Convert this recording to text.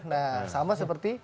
nah sama seperti dua ribu empat belas